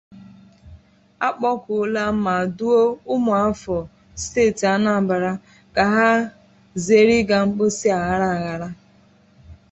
a kpọkuola ma dụọ ụmụafọ steeti Anambra ka ha zèere ịga mposi aghara aghara